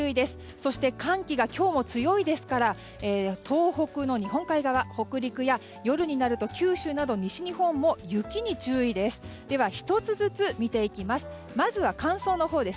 そして寒気が今日も強いですから東北の日本海側北陸や夜になると九州など西日本も雪に注意です。